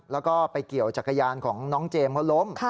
แล้วก็ไปเกี่ยวจักรยานของน้องเจมส์เขาล้ม